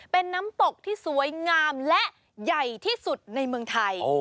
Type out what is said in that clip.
เป็นน้ำตกที่สวยงามและใหญ่ที่สุดในเมืองไทย